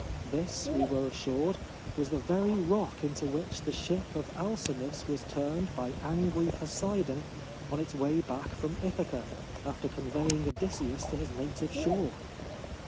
This, we were assured, was the very rock into which the ship of Alcinous was turned by angry Poseidon on its way back from Ithaca, after convey ing Odysseus to his native shore